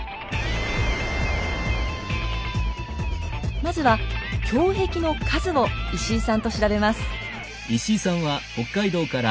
まずは胸壁の数を石井さんと調べます。